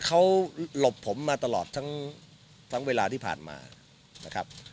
เขาหลบผมมาตลอดทั้งเวลาที่ผ่านมานะครับ